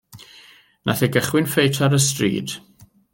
Nath o gychwyn ffeit ar y stryd.